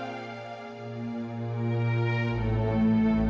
aku mau pergi